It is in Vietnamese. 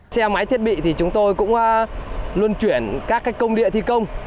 xe máy thiết bị thì chúng tôi cũng luôn chuyển các cách công địa thi công